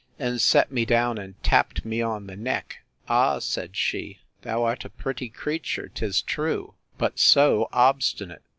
—And set me down, and tapped me on the neck: Ah! said she, thou art a pretty creature, 'tis true; but so obstinate!